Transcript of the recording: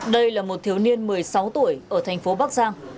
đây là một thiếu niên một mươi sáu tuổi ở thành phố bắc giang